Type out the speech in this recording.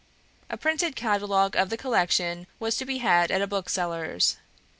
A printed catalogue of the collection was to be had at a bookseller's.